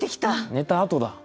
寝たあとだ。